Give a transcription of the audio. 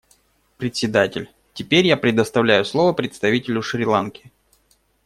Председатель: Теперь я предоставляю слово представителю Шри-Ланки.